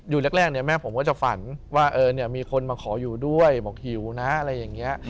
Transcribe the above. แรกเนี่ยแม่ผมก็จะฝันว่ามีคนมาขออยู่ด้วยบอกหิวนะอะไรอย่างนี้